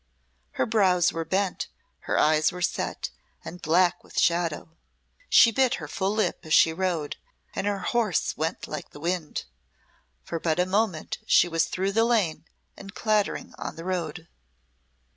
Her brows were bent, her eyes were set and black with shadow. She bit her full lip as she rode, and her horse went like the wind. For but a moment she was through the lane and clattering on the road.